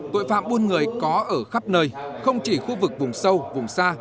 tội phạm buôn người có ở khắp nơi không chỉ khu vực vùng sâu vùng xa